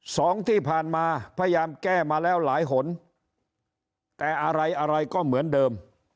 สองที่ผ่านมาพยายามแก้มาแล้วหลายหนแต่อะไรอะไรก็เหมือนเดิม